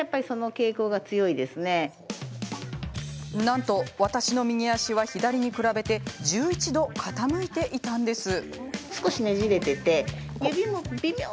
なんと、私の右足は左に比べて１１度傾いていたんです。